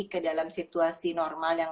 ke dalam situasi normal yang